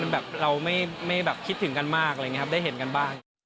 แบบเราไม่แบบคิดถึงกันมากอะไรอย่างนี้ครับได้เห็นกันบ้าง